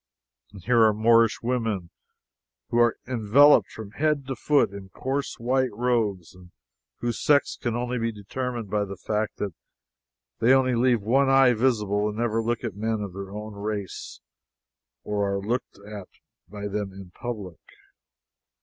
And here are Moorish women who are enveloped from head to foot in coarse white robes, and whose sex can only be determined by the fact that they only leave one eye visible and never look at men of their own race, or are looked at by them in public.